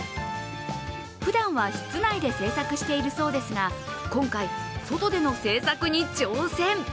ふだんは室内で制作しているそうですが、今回、外での制作に挑戦。